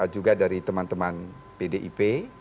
juga dari teman teman pdip